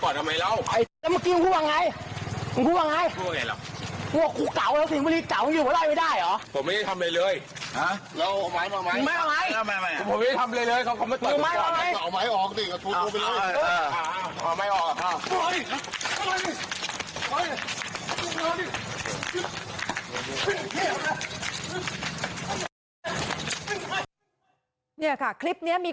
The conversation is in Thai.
เนี่ยค่ะลูกตโหนี้มีคนที่คือ